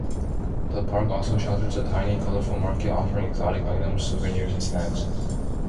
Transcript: The park also shelters a tiny colorful market offering exotic items, souvenirs and snacks.